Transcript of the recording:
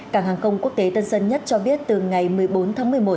cảng hàng không quốc tế tân sơn nhất cho biết từ ngày một mươi bốn tháng một mươi một